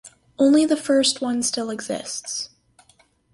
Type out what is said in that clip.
Only the first one still exists.